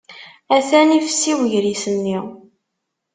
Atan ifessi ugris-nni.